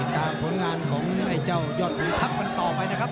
ตามผลงานของยอดผู้ทัพมันต่อไปนะครับ